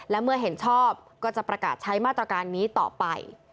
และเมื่อเห็นชอบก็จะประกาศใช้มาตรการนี้ต่อไป